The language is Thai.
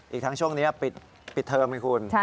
อีกทั้งช่วงนี้ปิดเทอมให้คุณ